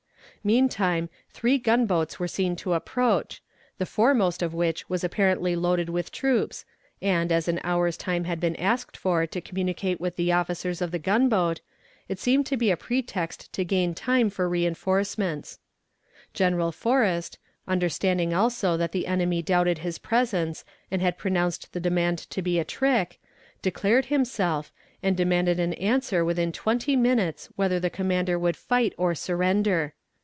Meantime, three boats were seen to approach, the foremost of which was apparently loaded with troops, and, as an hour's time had been asked for to communicate with the officers of the gunboat, it seemed to be a pretext to gain time for reënforcements. General Forrest, understanding also that the enemy doubted his presence and had pronounced the demand to be a trick, declared himself, and demanded an answer within twenty minutes whether the commander would fight or surrender.